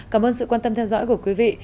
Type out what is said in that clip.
cảm ơn sự quan tâm theo dõi của quý vị